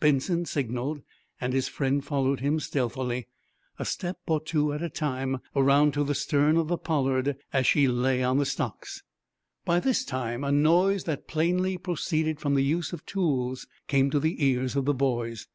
Benson signaled, and his friend followed him, stealthily, a step or two at a time, around to the stern of the "Pollard" as she lay on the stocks. By this time a noise that plainly proceeded from the use of tools came to the ears of the boys.